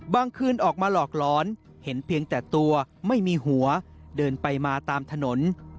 คืนออกมาหลอกหลอนเห็นเพียงแต่ตัวไม่มีหัวเดินไปมาตามถนน